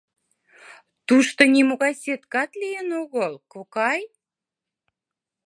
Тушто нимогай сеткат лийын огыл, кокай.